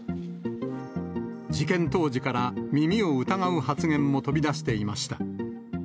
事件当時から、耳を疑う発言も飛び出していました。